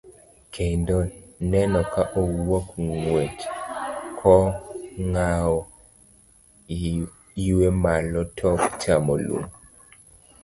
Kendo neno ka owuok ng'wech, kong'awo iwe malo tok chamo lum.